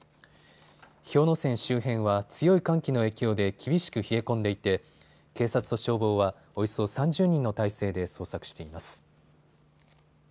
氷ノ山周辺は強い寒気の影響で厳しく冷え込んでいて警察と消防はおよそ３０人の態勢で捜索しています。